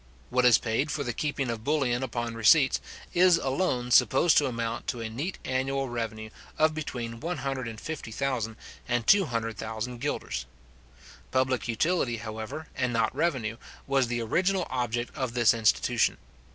What is paid for the keeping of bullion upon receipts, is alone supposed to amount to a neat annual revenue of between 150,000 and 200,000 guilders. Public utility, however, and not revenue, was the original object of this institution.